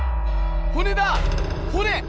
骨だ骨！